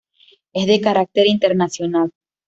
Es de carácter internacional.